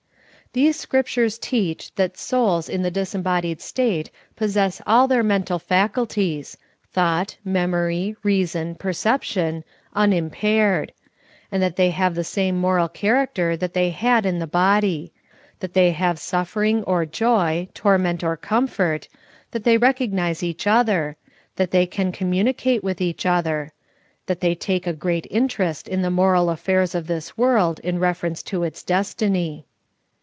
These Scriptures teach that souls in the disem bodied state possess all their mental faculties — thought, memory, reason, perception — unimpaired ; and that they have the same moral character that they had in the body ; that they have suffering or joy, torment or comfort ; that they recognize each other ; that the}' can commu_nicate with each other ; that they take a great 7 98 SOUL FOOD. interest in the moral affairs of this world in reference to its destin}